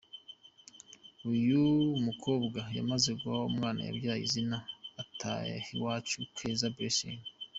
Uyu mukobwa yamaze guha umwana yabyaye izina ‘Itahiwacu Keza Blessing’.